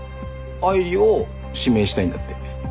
愛梨を指名したいんだって。